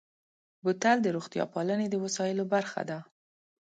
بوتل د روغتیا پالنې د وسایلو برخه ده.